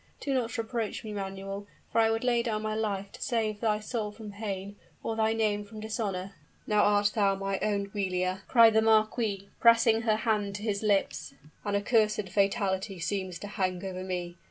Do not reproach me, Manuel for I would lay down my life to save thy soul from pain, or thy name from dishonor!" "Now art thou my own Giulia!" cried the marquis, pressing her hand to his lips. "An accursed fatality seems to hang over me!